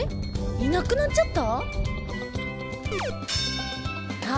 いなくなっちゃった？